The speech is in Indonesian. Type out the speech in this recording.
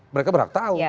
mereka berhak tahu